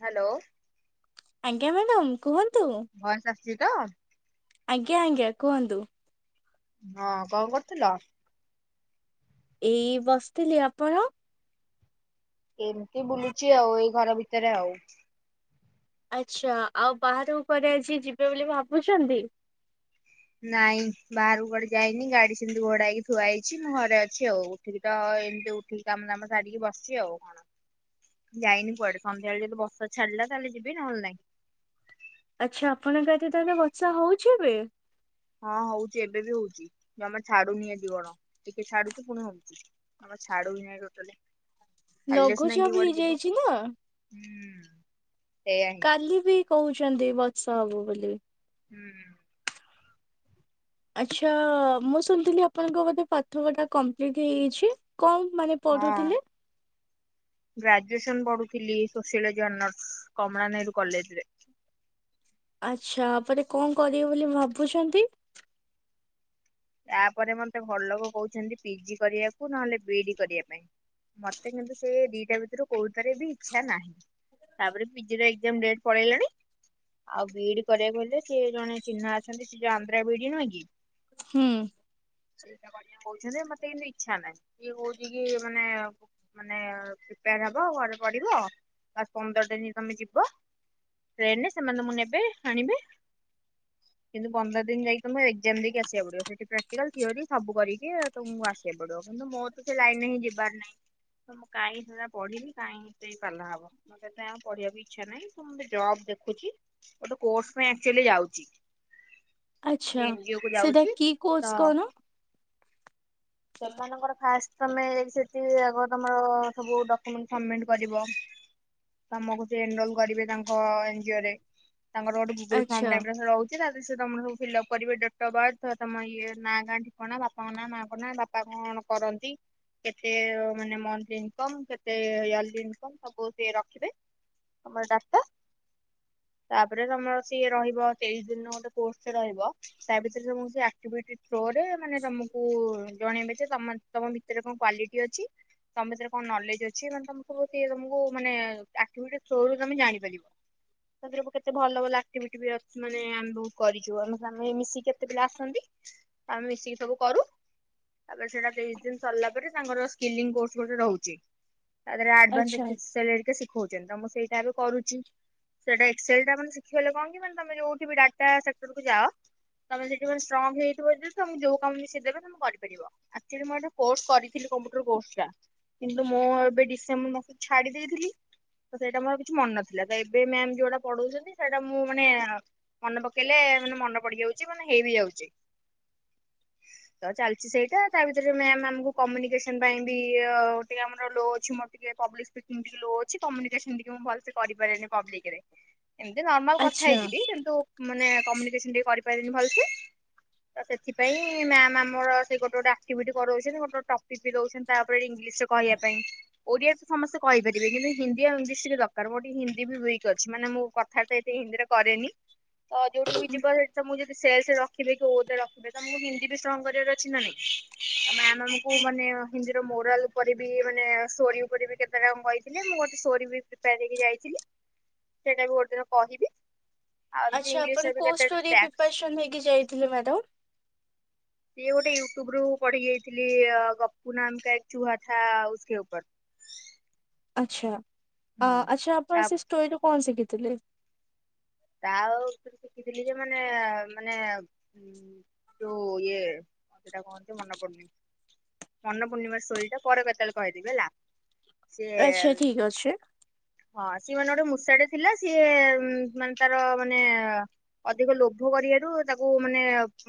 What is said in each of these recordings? Hello. ଆଜ୍ଞା madam କୁହନ୍ତୁ। Voice ଆସିଛି ତ? ଆଜ୍ଞା ଆଜ୍ଞା କୁହନ୍ତୁ। ହଁ କଣ କରୁଥିଲ? ଏଇ ବସିଥିଲି ଆପଣ? ଏମିତି ବୁଲୁଚି ଆଉ ଏଇ ଘର ଭିତରେ ଆଉ। ଆଚ୍ଛା ଆଉ ବାହାରକୁ କୁଆଡେ ଆଜି ଯିବେ ବୋଲି ଭାବୁଛନ୍ତି? ନାଇଁ ବାହାରକୁ କୁଆଡେ ଯାଇନି ଗାଡି ସେମିତି ଘୋଡା ହେଇକି ଥୁଆ ହେଇଛି ମୁଁ ଘରେ ଅଛି ଆଉ। ଡ଼ ଏମିତି ଉଠିକି କାମ ଦାମ ସାରିକି ବସିଚି ଆଉ କଣ। ଯାଇନି କୁଆଡେ ସନ୍ଧ୍ୟାଏଳେ ଯଦି ବର୍ଷା ଛାିଡିଲା ତାଲେ ଯିବି ନହେଲେ ନାଇଁ। ଆଚ୍ଛା ଆପଣଙ୍କ ଆଜି ତା ହେଲେ ବର୍ଷା ହଉଛି ଏବେ? ହଁ ହଉଛି ଏବେ ବି ହଉଛି ଜମା ଛାଡୁନି ଆଜି କଣ? ଟିକେ ଛାଡୁଛି ପୁଣି ହଉଛି। ଆମର ଛାଡ଼ୁ ହିଁ ନାଇଁ ଟୋଟାଲି। ଛାଡିଲେ ସିନା କିଏ ଲଘୁଚାପ କୁଆଡେ ଯିବ ହେଇଯାଇଛି ନା। ହୁଁ ସେଇଆ। ହିଁ। କାଲି ବି କହୁଛନ୍ତି ବର୍ଷା ହବ ବୋଲି। ହୁଁ। ଆଚ୍ଛା ମୁଁ ଶୁଣିଥିଲି ଆପଣଙ୍କ ବୋଧେ ପାଠପଢା କମ୍ପ୍ଲିଟ୍ ହେଇଯାଇଛି। କଣ ମାନେ ହଁ। ପଢୁଥିଲେ? ଗ୍ରାଜୁଏସନ ପଢୁଥିଲି sociology honours Kamala Nehru college ରେ। ଆଚ୍ଛା ଆପରେ କଣ କରିବେ ବୋଲି ଭାବୁଛନ୍ତି? ଆପରେ ମତେ ବଡଲୋକ କହୁଛନ୍ତି ପିଜି କରିବାକୁ ନହେଲେ ବିଡି କରିବା ପାଇଁ ମତେ କିନ୍ତୁ ସେ ଦିଟା ଭିତରୁ କୋଉଠରେ ବି ଇଚ୍ଛା ନାହିଁ। ତାପରେ ପିଜି ର ଏକ୍ଜାମ ଡେଟ୍ ପଳେଇଲାଣି। ଆଉ ବିଡି କରିବାକୁ ହେଲେ ସିଏ ଜଣେ ଚିହ୍ନା ଅଛନ୍ତି ସେ ଯୋଉ ଆନାନ୍ଦ୍ରା ବିଡି ନୁହେଁ କି, ହୁଁ। ସେଇଟା କହୁଛନ୍ତି ମତେ କିନ୍ତୁ ଇଚ୍ଛା ନାହିଁ। କିଏ କହୁଛି କି ମାନେ ମାନେ ପ୍ରିପେୟାର ହବ ଘରେ ପଢିବ ଆ ପନ୍ଦର ଦିନ ତମେ ଯିବ। ଟ୍ରେନରେ ସେମାନେଁ ତମକୁ ନେବେ ଆଣିବେ। କିନ୍ତୁ ପନ୍ଦର ଦିନ ଯାଇକ ତମ ଏକ୍ଜାମ ଦେଇକି ଆସିବା ପଡିବ। ସେଠି ପ୍ରାଟିକାଲ ଥିଓରି ସବୁ କରିକି ତମକୁ ଆସିବାକୁ ପଡିବ କିନ୍ତୁ ମୋର ସେ ଲାଇନ ରେ ହିଁ ଯିବାର ନାହିଁ। ତ ମୁଁ କାହିଁ ସେଟା ପଢିବି କାଇଁ ସେ ପାଲା ହବ ମୋ ସେତେ ଆଉ ପଢିବାକୁ ଇଚ୍ଛା ନାହିଁ। ଜବ ଦେଖୁଛି ଗୋଟେ କୋର୍ସ ପାଇଁ ଆଚୁୟାଲି ଯାଉଛି। ଆଛା ଗୋଟେ ଏନଜିଓ କୁ ସେଟା ଯାଉଛି କି ତ କୋର୍ସ କଣ? ସେମାନଙ୍କର ଫାଷ୍ଟ ତମେ ସେଠି ଆଗ ତମର ସବୁ ଡକୁମେଣ୍ଟ ସବମିଟ କରିବ। ତମକୁ ସେ ଏନରୋଲ କରିବେ ତାଙ୍କ ଏନଜିଓ ରେ ତାଙ୍କର ଗୋଟେ ଗୁଗୁଲ ଆଚ୍ଛା ଫର୍ମ ଟାଇପର ରହୁଛି। ତା ଦରେ ତମେ ସବୁ ଫିଲ୍ଅପ୍ କରିବ ଡେଟ୍ଅଫବାର୍ଥ ତମ ଇଏ ନାଁ ଗାଁ ଠିକଣା ବାପାଙ୍କ ନା ମା ଙ୍କନା ବାପା କଣ କରନ୍ତି କେତେ ମାନେ ମନ୍ଥ ଇନକମ୍ କେତେ ଇୟଲି ଇନ୍କମ ସବୁ ସେ ରଖିବେ। ଆମର ଡାଟା ତାପରେ ତମର ସିଏ ରହିବ ତେଇଶି ଦିନ ଗୋଟେ କୋର୍ସରେ ରହିବ ତା ଭିତରେ ତମକୁ ସେ ଆକ୍ଟିଭିଟି ଥ୍ରୋରେ ମାନେ ତମକୁ ଜଣେଇବେ ଯେ ତମ ତମ ଭିତରେ କଣ କ୍ୟାଲିଟି ଅଛି। ତମ ଭିତରେ କଣ ନଲେଜ ଅଛି। ମାନେ ତମ ସବୁ ସିଏ ତମକୁ ମାନେ ଆକ୍ଟିବେଟ୍ ଥ୍ରୋରୁ ତମେ ଜାଣିପାରିବ। ତାପରେ କେତେ ଭଲ ଭଲ ଆକ୍ଟିଭିଟି ବି ଅଛି। ମାନେ ଆମେ ଆମେ କରିଛୁ ଆମେ ମିଶିକି କେତେ ପିଲା ଆସନ୍ତି। ଆମେ ମିଶିକି ସବୁ କରୁ। ତାପରେ ସେଇଟା ତେଇଶ ଦିନ ସରିଲା ପରେ ତାଙ୍କର ସ୍କଲିଙ୍ଗ ଗ ବୋର୍ଡସ ଗୋଟେ ରହୁଛି। ତା ଦେହରେ ଆଚ୍ଛା ଆଡଭାନ୍ସର ଶିଖଉଛନ୍ତି ତ ମୁଁ ସେଇଟା ଏବେ କରୁଛି। ସେଇଟା ଏକ୍ସଲ ଟା ମାନେ ଶିଖିଗଲେ କଣ କି ମାନେ ତମେ ଯୋଉଠି ଡାଟା ସେକ୍ଟର କୁା ଯାଅ ତମେ ଯେତେବେଳେ ଷ୍ଟ୍ରଙ୍ଗ ହେଇ ଯାଇଥିବ ଯେ ତମକୁ ଯୋଉ କାମ ସିଏ ଦେବେ ତମ କରିବ। କରିବ। ଆଚ୍ୟୁଲି ମୁଁ ଏଇଟା କ୍ରୋସ୍ କରିଥିଲି କମ୍ପ୍ୟୁଟର କ୍ରୋସ୍ ଟା କିନ୍ତୁ ମୁଁ ଏବେ ଡିସେମ୍ବର ମାସ ଛାଡି ଦେଇଥିଲି। ତ ସେଇଟା ମୋର କିଛି ମନ ନଥିଲା। ତ ଏବେ ମ୍ୟାମ୍ ଯୋଉଟା ପଢଉଛନ୍ତି ସେଇଟା ମୁଁ ମାନେ ମନେ ପକେଇଲେ ମନେ ପଡିଯାଉଛି। ମାନେ ହେଇ ବିି ଯାଉଛି। ତ ଚାଲିଛି- ସେଇଟା ତା ଭିତରେ ମ୍ୟାମ୍ ଆମକୁ କମ୍ୟୁନିକେସନ ପାଇଁ ବି ଟିକେ ଆମର ଲୋ ଅଛି ମୋର ଟିକେ ପବ୍ଲିକ୍ ହିନ୍ଦୀ ଲୋ ଅଛି, ତ କମ୍ୟୁନିକ୍ସନ ଟିକେ ମୁଁ ଭଲସେ କରି ପାରେନି ପବ୍ଲିକ୍ ରେ। ଏମିତି ନର୍ମାଲ କଥା ଆଚ୍ଛା। ହେଇଯିବି। କିନ୍ତୁ ମାନେ କମ୍ୟୁନିକେସନ ଟିକେ କରି ପାରେନି ଭଲସେ, ତ ସେଥିପାଇଁ ମ୍ୟାମ୍ ଆମର ସେ ଗୋଟେ ଗୋଟେ ଆକ୍ଟିଭିଟି କରଉଛନ୍ତି। ଗୋଟେ ଗୋଟେ ଟପିକ୍ ବି ଦଉଛନ୍ତି ତାପରେ ଇଂଗ୍ଲିଶ ରେ କହିବା ପାଇଁ। ଓଡିଆରେ ତ ସମସ୍ତେ କହିପାରିବେ, କିନ୍ତୁ ହିନ୍ଦୀ ଆଉ ଇଂଲିଶ ଦରକାରେ ମୋର ଟିକେ ହିନ୍ଦୀ ବି ୱିକ୍ ଅଛି ମାନେ ମୁଁ କଥା ତ ଏତେ ହିନ୍ଦୀରେ କରେନି। ତ ଯୋଉଠି ବି ଯିବ ସେଠି ତମକୁ ଯଦି ସେଲ୍ସେରେ ରଖିବେ କି ଓରେ ରଖିବେ ତମକୁ ହିନ୍ଦୀ ବି ଷ୍ଟଙ୍ଗ୍ କରିବାର ଅ ଅଛି ନା ନାହିଁ। ମ୍ୟାମ୍ ଆମକୁ ମାନେ ହିନ୍ଦୀର ମୋରାଲ ଉପରେ ବି ମାନେ ଷ୍ଟୋରୀ ଉପରେ ବି କେ ସେରା ମୁଁ କହିଥିଲେ। ମୁଁ ଗୋଟେ ଷ୍ଟୋରୀବି ପ୍ରିପେୟାର ହେଇକି ଯାଇଥିଲି। ସେଇଟା ବି ଗୋଟେ ଦିନ କହିବି। ଆଉ ଏମିତି ଆଚ୍ଛା ଆପଣ ଇଂଲିଶରେ ବି କୋଉ କେତେଟା ଷ୍ଟୋରୀ ଟ୍ୟାକ୍ସ ପ୍ରିପାରସନ୍ ହେଇକି ଯାଇଥିଲେ ମ୍ୟାଡ଼ମ୍? ସିଏ ଗୋଟେ ୟୁଟ୍ୟୁବ୍ ରୁ ପଢି ଯାଇଥିଲି। ଗପୁ ନାମାକା ଏକଚୁହା ଥା ଇସ୍କ୍ ଉପର୍। ଆଚ୍ଛା ଆ ହୁଁ ଆଚ୍ଛା ଆପଣ ତା ସେ ଷ୍ଟୋରି ରୁ କଣ ଶିଖିଥିଲେ? ତା ଆଉ ଉପରୁ ଶିଖିଥିଲି ଯେଉ ମାନେ ମାନେ ଯୋଉ ଇଏ ସେଟା କଣନ୍ତି ମନେ ପଡ଼ୁନି। ମନେ ପଡ଼ୁନି ବା ଷ୍ଟୋରି ଟା ପରେ କେତେବେଳେ କହିଦେବି ହେଲା। ସିଏ ଆଚ୍ଛା ଠିକ ଅଛି ହଁ ସିଏ ମାନେ ଗୋଟେ ମୂଷାଟେ ଥିଲା ସିଏ ମାନେ ତାର ମାନେ ଅଧିକ ଲୋଭ କରିବାରୁ ତାକୁ ମାନେ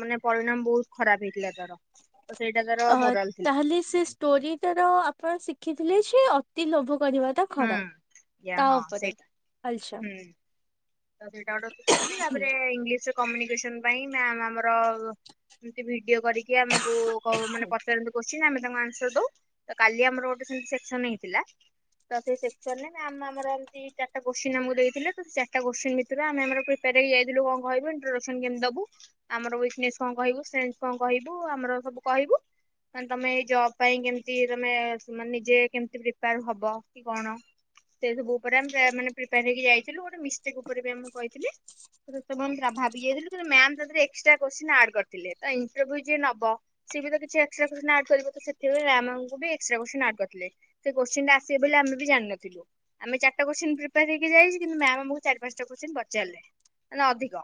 ମାନେ ପରିଣାମ ବୋହୁତ୍ ଖରାପ ହେଇଥିଲା ତାର। ତ ସେଇଟା ତାର ଅ ମୋରାଲ [unintelligible] ଷ୍ଟୋରିଟାର ଆପଣ ଶିଖିଥିଲେ ସେ ଅତି ଲୋଭ କରିବ ତ ହୁଁ ଖରାପ ୟା ତା ହଁ ଉପରେ ସେଇଟା ଆଛା। ହୁଁ। ତ ସେଇଟା ଗୋଟେ ଶିଖିଥିଲି ତାପରେ ଇଂଲିଶ କମ୍ୟୁନିକେସନ ପାଇଁ ମ୍ୟାମ୍ ଆମର ଏମତି ଭିଡିଓ କରିକି ଆମକୁ ମାନେ ପଚାରନ୍ତି କୋସ୍ଚିନ୍ ଆମେ ତାଙ୍କ ଆନ୍ସର ଦୋଉ ତ କାଲି ଆମର ଗୋଟେ ସେମିତି ସେକ୍ସନ ହେଇଥିଲା। ତ ସେଇ ସେକ୍ସନରେ ମ୍ୟାମ ଆମର ଏମତି ଚାରିଟା କୋସ୍ଚିନ୍ ଆମକୁ ଦେଇଥିଲେ ତ ଚା ତା କୋସ୍ଚିନ୍ ଭିତରେ ଆମେ ଆମର ପ୍ରିପାର ହେଇ ଯାଇଥିଲୁ କଣ କହିବୁ ଇଣ୍ଟଡେସନ୍ କେମିତି ଦବୁ। ଆମର ୱିକ୍ ନେସ୍ କଣ କହିବୁ ସେନ୍ସ୍ କଣ କହିବୁ ଆମର ସବୁ କହିବୁ। ମନେ ତମେ ଏଇ ଜବ୍ ପାଇଁ କେମିତି ତମେ ନିଜେ କେମିତି ପ୍ରିପେୟାର ହବ? କି କଣ ସେ ସବୁ ଉପରେ ଆମେ ପ୍ରାୟ ପ୍ରିପାର ହେଇକି ଯାଇଥିଲୁ ଗୋଟେ ମିଷ୍ଟେକ୍ ଉପରେ ବି ଆମକୁ କହିଥିଲି। ତାପରେ ସେମାନେ ଭାବି ଯାଇଥିଲୁ କିନ୍ତୁ ମ୍ୟାମ୍ ସେଥିରେ ଏକ୍ସଟ୍ରା କୋସ୍ଚିନ୍ ଆଡ଼ କରିଥିଲେ ତ ଇଣ୍ଟରଭ୍ୟୁ ଯିଏ ନବ ସିଏ ବି ତ କିଛି ଏକ୍ଟ୍ରା କୋସ୍ଚିନ୍ ଆଡ଼୍ କରିବ ତ ସେଥିପାଇଁ ଆମାଙ୍କୁ ବି ଏକ୍ସଟ୍ରା କୋସ୍ଚିନ୍ ଆଡ଼୍ କରିଥିଲେ। ସେ କୋଶ୍ଚିିନି ଟା ଆସିବ ବୋଲି ଆମେ ବି ଜାଣିନଥିଲୁ ଆମେ ଚାରିଟା କୋସ୍ଚିନ୍ ପ୍ରିପାୟର ହେଇକି ଯାଇଚୁ କିନ୍ତୁ ମ୍ୟାମ୍ ଆମକୁ ଚାରି ପାଞ୍ଚଟା କୋସ୍ଚିନ୍ ବଚାରିଲେ ମାନେ ଅଧିକ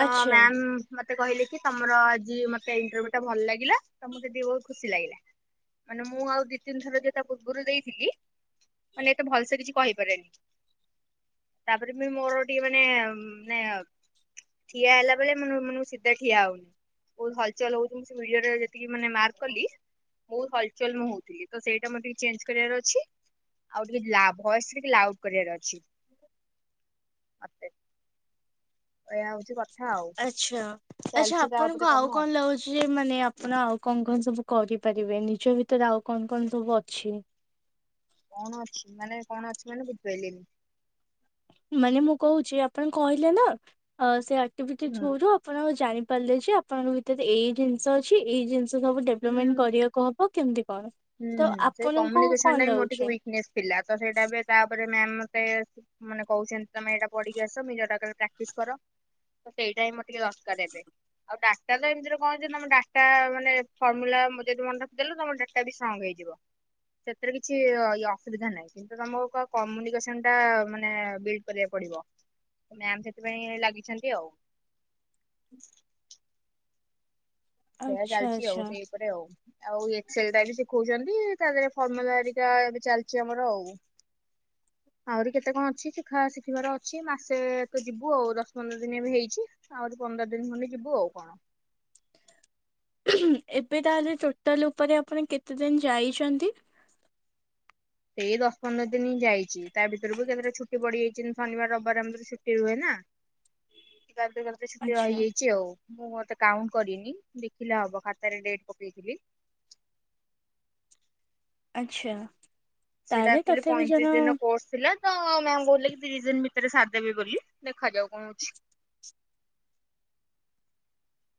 ତ ଆଚ୍ଛା। ମ୍ୟାମ୍ ମତେ କହିଲେ କି ତମର ଆଜି ମତେ ଇଣ୍ଟରଭୁ ଟା ଭଲ ଲାଗିଲା ମତେ ଟିକେ ବୋହୁତ୍ ଖୁସି ଲାଗିଲା। ମାନେ ମୁଁ ଆଉ ଦି ତିନି ଥର ଯେ ତା ପୂର୍ବରୁ ଦେଇଥିଲି। ମାନେ ଏତେ ଭଲସେ କିଛି କହିପାରେନି। ତାପରେ ବି ମୋର ଟିକେ ମାନେ ମାନେ ଠିଆ ହେଲା ବେଳେ ମାନେ ମୁ ଶିଧା ଠିଆ ହଉନି। ବୋହୁତ୍ ହଲଚଲ୍ ହଉଛି ମୁଁ ସେ ଭିଡ଼ିଓରେ ଯେତିକି ମାନେ ମାର୍କ କଲି ବହୁତ ହଲ୍ ଚଲ୍ ମୁଁ ହଉଥିଲି ତ ସେଇଟା ମର ଟିକେ ଚେଞ୍ଜେ କରିବାର ଅଛି। ଆଉ ଟିକେ ଲା ଭଏସ୍ ଟିକେ ଲାଉଡ୍ କରିବାର ଅଛି। [unintelligible] ଏଇଆ ଆଉ। କଥା ଆଚ୍ଛା ଆଚ୍ଛା ଚାଲିଛି ତା ଉପରେ ଆପଣଙ୍କୁ କାମ ଆଉ କଣ ଲାଗୁ ଛି ମାନେ ଆପଣ ଆଉ କଣ କଣ ସବୁ କରିପାରିବେ ନିଜ ଭିତରେ ଆଉ କଣ କଣ ସବୁ ଅଛି। କଣ ଅଛି ମାନେ କଣ ଅଛି ମାନେ ବୁଝିପାରିଲିନି। ମାନେ ମୁଁ କହୁଚି ଆପଣ କହିଲେ ନା ସେ ଅ ଆଟିଭିଟ୍ ହୁଁ ଥ୍ରୋ ରୁ ପଣ ଜାଣି ପାରିଲେ ଯେ ଆପଣଙ୍କ ଭିତରେ ଏଇ ଜିନିଷ ଅଛି ଏଇ ଜିନିଷ ସବୁ ହୁଁ ଡେଭଲପମେଣ୍ଟ କରିବାକୁ ହବ। କେମିତି କଣ? ହୁଁ ତ ହୁଁ ସେଇ ଆପଣଙ୍କୁ କମ୍ୟୁନିକେସନ କଣ ଟା ହିଁ ମୋର ଟିକେ ଲାଗୁଛି? ୱିକନେସ ଥିଲା ତ ସେଇଟା ତାପରେ ମ୍ଯାମ ମତେ ମାନେ କହୁଛନ୍ତି ତମେ ଏଇଟା ପଢ଼ି କି ଆସ ମୁଁ ଯୋଉଟା କହିବି ପ୍ରାକ୍ଟିସ କର। ତ ସେଇଟା ହିଁ ମୋର ଟିକେ ଦରକାର୍ ଏବେ। ଆଉ ଡାଟା ତ ଏମିତିରେ କଣ ହେଇଚି ତମ ଡାଟା ମାନେ ଫର୍ମୁଲା ଯଦି ମନ ରଖିଦେଲ ତମ ଡା ଟା ବି ସଙ୍ଗ ହେଇଯିବ ସେଥିରେ କିଛି ଅ ଇଏ ଅସୁବିଧା ନାହିଁ। ଏଇଟା ତମକୁ କମ୍ୟୁନିକେସନ ଟା ମାନେ ବିଡ୍ କରିବାକୁ ପଡ଼ିବ। ମ୍ୟାମ ସେଥିପାଇଁ ଲାଗିଛନ୍ତି ଆଉ। ସେଇୟା ଆଚ୍ଛା ଚାଲିଚି ଆଉ ଆଚ୍ଛା। ସେଇ ଉପରେ ଆଉ। ଆଉ ଏକ୍ସେଲ୍ ଟା ବି ଶିଖୋଉଛନ୍ତି ତା ଦେହରେ ଫର୍ମୁଲା ଦି ଟା ଏବେ ଚାଲିଛି ଆମର ଆଉ। [inaudible] ଆହୁରି କେତେ କଣ ଅଛି ଶିଖା ଶିଖିବାର ଅଛି ମାସେ ତ ଯିବୁ ଆଉ ଦଶ ପନ୍ଦର ଦିନି ଏବେ ହେଇଚି। ଆହୁରି ପନ୍ଦର ଦିନି ଖଣ୍ଡେ ଯିବୁ ଆଉ କଣ। ଏବେ ତାହେଲେ ଟୋଟାଲ ଉପରେ ଆପଣ କେତେ ଦିନ ଯାଇଛନ୍ତି। ଏଇ ଦଶ ପନ୍ଦର ଦିନି ଯାଇଚି, ତା ଭିତରୁ ବି କେତେଟା ଛୁଟି ପଡ଼ି ଯାଇଚି, ଶନିବାର ରବିବାର ଆମର ଛୁଟି ରୁହେ ନା। [unintelligible] ଗୋଟେ ଛୁଟି ଆଚ୍ଛା ରହିଯାଇଛି ଆଉ, ମୁଁ ହୁଏତ କାଉଣ୍ଟ କରିନି ଦେଖିଲେ ହବ ଖାତାରେ ଡେଟ୍ ପକେଇଥିଲି। ଆଚ୍ଛା। ସେଇଟା ତାହେଲେ ଆକ୍ଚୁଆଲି ତଥାପି ଜଣ ପଇଁତିରିଶ ଦିନ କୋର୍ସ ଥିଲା। ତ ମ୍ୟାାମ କହୁଥିଲେ କି ତିରିଶ ଦିନ ଭିତରେ ସାରି ଦେବି ବୋଲି ଦେଖାଯାଉ କଣ ହୋଉଚି।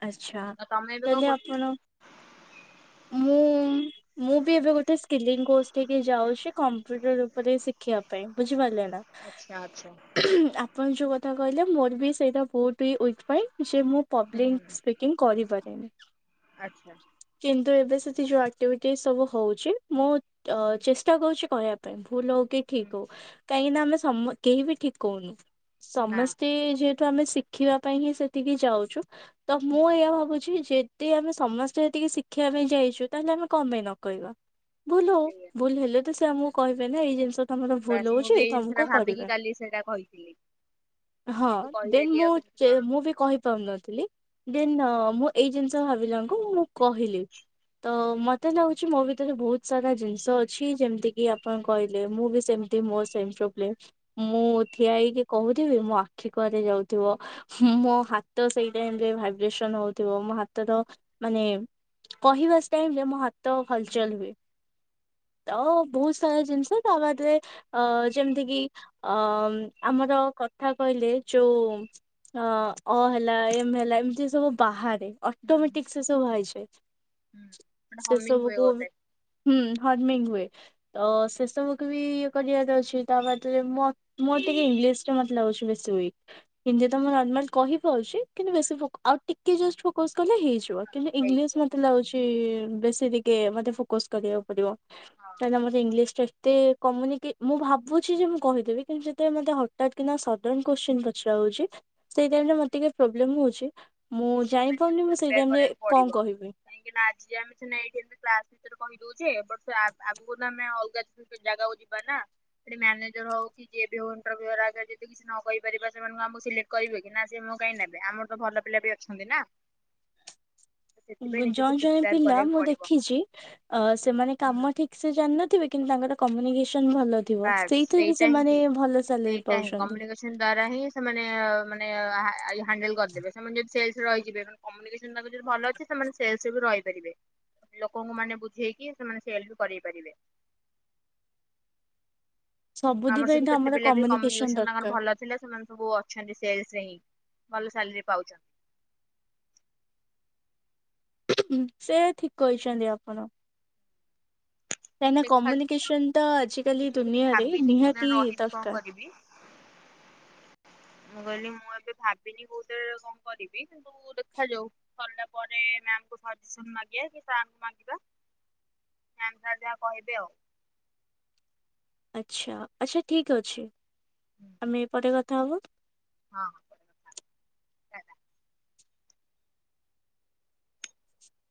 ଆଚ୍ଛା ଆଉ ତମେ ଏବେ କଣ ତାହେଲେ କରୁ ଆପଣ ମୁଁ ମୁଁ ବି ଏବେ ଗୋଟେ ସ୍କିଲିଙ୍ଗ କୋର୍ସ ଟେ ବି ଯାଉଛି, କମ୍ପୁଟର ଉପରେ ଶିଖିବା ପାଇଁ ବୁଝିପାରିଲେ ନା। ଆଚ୍ଛା ଆଚ୍ଛା। ଆପଣ ଯୋଉ କଥା କହିଲେ, ମୋର ବି ସେଇଟା ବହୁତ ହି ୱିକ୍ ପଏଣ୍ଟ ଯେ ମୁଁ ହୁଁ ପବ୍ଲିିକ ସ୍ପିକିଂ କରିପାରେନି। ଆଚ୍ଛା କିନ୍ତୁ ଏବେ ସେଠି ଯୋଉ ଆକ୍ଟିଭିଟିସ୍ ସବୁ ହଉଚି, ମୁଁ ତ ହୁଁ ଚେଷ୍ଟା କରୁଛି କହିବା ପାଇଁ ଭୁଲ ହଉ କି ଠିକ ହଉ, କାହିଁକିନା ଆମେ ସମ କେହି ବି ଠିକ କହୁନୁ। ହୁଁ ନା ସମସ୍ତେ ଯେହେତୁ ଆମେ ଶିଖିବା ପାଇଁ ହିଁ ସେଠିକି ଯାଉଚୁ। ତ ହୁଁ ମୁଁ ଏୟା ଭାବୁଛି ଯେ ତେ ଆମେ ସମସ୍ତେ ସେଠିକି ଶିଖିବା ପାଇଁ ଯାଇଚୁ, ତାହେଲେ ଆମେ କଁ ପାଇଁ ନ କହିବା। ଭୁଲ ହଉ, ସେଇଆ। ଭୁଲ ହେଲେ ତ ସେ ଆମକୁ କହିବେ ନା ଏଇ ଜିନିଷ ତମର ବାସ୍ ଭୁଲ ମୁଁ ହଉଛି ବି ଏଇ ଜିନିଷଟା ତମକୁ ଭାବିକି କରିବେ। କାଲି ସେଇଟା କହିଥିଲି। ହଁ କିନ୍ତୁ ଦେନ୍ କହିଦେଲି ମୁଁ ଆଉ କେମିତି ଚେ କଣ ହୁଁ ମୁଁ ବି କହିପାରୁନଥିଲି। ଦେନ୍ ଅ ମୁଁ ଏଇ ଜିନିଷ ଭାବିଲା [unintelligible] ମୁ ମୁଁ କହିଲି। ତ ମତେ ଲାଗୁଛି ମୋ ଭିତରେ ବହୁତ ସାରା ଜିନିଷ ଅଛି। ଯେମିତି କିି ଆପଣ କହିଲେ ମୁଁ ବି ସେମ ତି ମୋ ସେମ୍ ପ୍ରୋବ୍ଲେମ୍ ମୁଁ ଠିଆ ହେଇକି କହୁଥିବି ମୋ ଆଖି କୁଆରେ ଯାଉଥିବ। ହୁଁ ମୋ ହାତ ସେଇ ଟାଇମ୍ ରେ ଭାଇବ୍ରେସନ ହଉଥିବ, ମୋ ହାତର ମାନେ କହିବା ଷ୍ଟାଇଲ୍ ରେ ମୋ ହା ତ ହଲଚଲ ହୁଏ। ତ ବହୁତ ସାରା ଜିନିଷ ତା ବାଦରେ ଅ ଯେମିତି କିି ଅ ଆମର କଥା କହିଲେ ଯୋଉ ଅ ଅ ହେଲା। ଏ ମେ ହେଲା ଏମିତି ସବୁ ବାହାରେ। ଅଟୋମେଟିକ ସେ ସବୁ ହେଇଚଏ। ହୁଁ ଗୋଟେ ସେ ହମିଙ୍ଗ ହୁଏ ସବୁକୁ ଗୋଟେ। ହୁଁ ହର୍ମିଙ୍ଗ ହୁଏ। ତ ସେ ସବୁକୁ ବି ଇଏ କରିବାର ଅଛି। ତା ବାଦରେ ମ ମୋର ଟିକେ ଇଂଲିଶ ଟା ମତେ ଲାଗୁଛି ବେଶୀ ୱିକ୍। ହିନ୍ଦୀ ତ ମୁଁ ନର୍ମାଲ କହିପାରୁଚି। କିନ୍ତୁ ବେଶି ଫୋକ୍ ଆଉ ଟିକେ ଜଷ୍ଟ ଫୋକସ କଲେ ହେଇଯିବ। ହଁ କିନ୍ତୁ ହେଇଯିବ ଇଂଲିଶ ମ ମତେ ଲାଗୁଛି ବେଶୀ ଟିକେ ମତେ ଫୋକସ କରିବାକୁ ପଡିବ। ହଁ କାହିଁକିନା ମତେ ଇଂଲିଶ ଟା ଟି ଏତେ କମୁନି କି ମୁଁ ଭାବୁଛି ଯେ ମୁଁ କହିଦେବି। କିନ୍ତୁ ଯେତେବେଳେ ମତେ ହଠାତ୍ କି ନା ସ ସଡନ୍ କୋଶ୍ଚିନ ପଚରା ହଉଛି ସେଇ ଟାଇମରେ ମର ଟିକେ ପ୍ରୋବ୍ଲେମ ହଉଚି ମୁଁ ଜାଣି ସେଥିପାଇଁ ନିଜକୁ ପାରୁନି ମୁଁ ସେଇ ପ୍ରିପେୟାର ଟାଇମରେ କରିବାକୁ ପଡିବ। କଣ କହିବି? କାହିଁକି ନା ଆଜି ଆମେ ସିନା ଏଇଠି ଏମତି କ୍ଲାସ ଭିତରେ କହିଦଉଚେ। ବଟ୍ ତ ଆଗ୍ ଆଗକୁ ଆମେ ଅଲଗା ଜାଗାକୁ ଯିବା ନା ସେଠି ମ୍ୟାନେଜର ହଉ କି କି ଯିଏ ବି ହଉ ଇଣ୍ଟାର୍ଭୁ ହରା ଯଦି କିଛି ନ କହିପାରିବା ସେମାନଙ୍କୁ ଆମକୁ ସିଲେକ୍ଟ କରିବେ କି? ନା ସେ ଆମକୁ କାହିଁ ନେବେ ଆମଠୁ ତ ଭଲ ପିଲା ବି ଅଛନ୍ତି ନା। ସେଥିପାଇଁ ନିଜକୁ ଜଣେ ଜଣେ ପ୍ରିପେୟାର ପିଲା କରିବାକୁ ମୁଁ ପଡିବ ଦେଖିଛି। ଅ ସେମାନେ ହୁଁ କାମ ଠିକ ସେ ଜାନିନଥିବେ କିନ୍ତୁ ତାଙ୍କର କମ୍ୟୁନିକେସନ ଭଲ ଥିବ ବାସ୍ ସେଇଥିରେ ବି ସେଇଟା ସେମାନେ ଭଲ ସାଲେରୀ ପାଉଛନ୍ତି। ସେ ଦ୍ଵାରା ହିଁ ସେମାନେ ମାନେ ଆ ହେଣ୍ଡଲ କରିଦେବେ। ସେମାନେ ଯଦି ସେଲସ୍ ରେ ରହିଯିବେ କମ୍ୟୁନିକେସନ ଟା ଯଦି ଭଲ ଅଛି ସେମାନେ ସେଲସ୍ରେ ବି ରହିପାରିବେ। ଲୋକଙ୍କୁ ମାନେ ବୁଝେଇକି ସେମାନେ ସେଲ୍ପ କରେଇ ପାରିବେ। ସବୁଥି ଆମର ପାଇଁ ସେଠି ତ କେତେ ପିଲା ବି କମ୍ୟୁନିକେସନ କମ୍ୟୁନେସନ ତାଙ୍କର ଦରକାର ଭଲ ଥିଲା ସେମାନେ ସବୁ ଅଛନ୍ତି ସେଲସ ରେ ହିଁ ଭଲ ସାଲେରୀ ପାଉଛନ୍ତି। ସେ ଠିକ କହିଛନ୍ତି ଆପଣ। କାହିଁକି ତ ନା ଦେଖାଯାଉ କମ୍ୟୁନିକେସନ ତ ମୁଁ ଆଜିକାଲି ତାପରେ ବି ଦୁନିଆରେ ଭାବିନି କୋଉଥିରେ ନିହାତି ରହିବି କଣ ଦରକାର। କରିବି। ମୁଁ କହିଲି ମୁଁ ଏବେ ଭାବିନି କୋଉଟା କଣ କରିବି। ଦେଖାଯାଉ ସରିଲା ପରେ ମ୍ୟାମ କୁ ପାଟିସନ ମାଗିବା କି ସାରକୁ ମାଗିବା। ମ୍ୟାମ ଯାହା ଯାହା କହିବେ ଆଉ। ଆଚ୍ଛା ଆଚ୍ଛା ଠିକ୍ ଅଛି ଆମେ ପରେ କଥା ହବା। ହଁ। ହଁ।